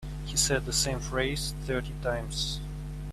He said the same phrase thirty times.